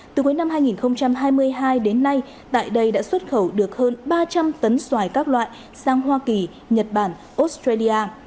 từ cuối năm hai nghìn hai mươi hai đến nay tại đây đã xuất khẩu được hơn ba trăm linh tấn xoài các loại sang hoa kỳ nhật bản australia